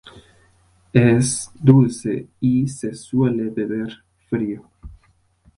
Es dulce y se suele beber frío.